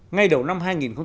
ngày đầu năm hai nghìn hai mươi